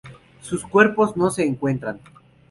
Sus cuerpos no se encuentran.